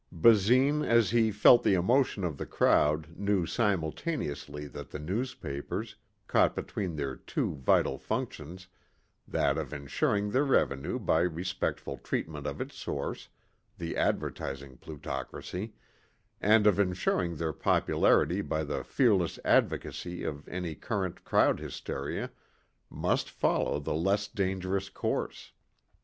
Basine as he felt the emotion of the crowd knew simultaneously that the newspapers, caught between their two vital functions that of insuring their revenue by respectful treatment of its source, the advertising plutocracy, and of insuring their popularity by the fearless advocacy of any current crowd hysteria, must follow the less dangerous course.